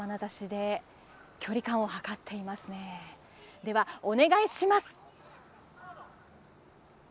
では、お願いします。